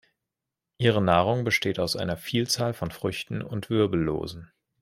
Ihre Nahrung besteht aus einer Vielzahl von Früchten und Wirbellosen.